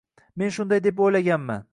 Men shunday deb o‘ylaganman.